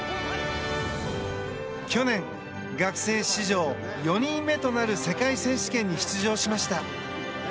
去年、学生史上４人目となる世界選手権に出場しました。